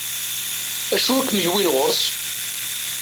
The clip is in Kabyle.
Acu ik-yewwin ɣur-s?